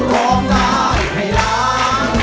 ร้องได้ให้ร้อง